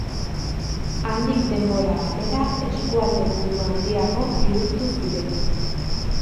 Handik denbora batera eskualde buru handiago bihurtu ziren.